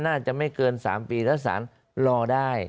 น่าจะไม่เกิน๓ปีแล้วสารรอได้